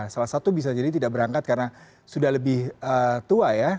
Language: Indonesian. salah satu bisa jadi tidak berangkat karena sudah lebih tua ya